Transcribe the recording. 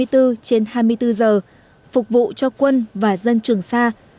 hai mươi bốn trên hai mươi bốn giờ phục vụ cho quân và dân trường sa